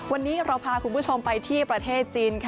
วันนี้เราพาคุณผู้ชมไปที่ประเทศจีนค่ะ